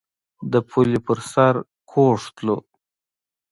د پولې پر سر کوږ تلو.